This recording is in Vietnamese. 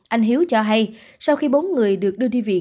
anh hiếu cho hay sau khi bốn người được đưa đi viện